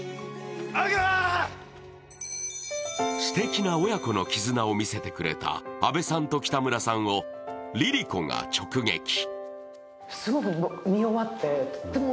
すてきな親子の絆を見せてくれた阿部さんと北村さんをＬｉＬｉＣｏが直撃。